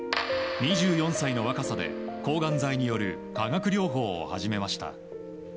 ２４歳の若さで、抗がん剤による化学療法を始めました。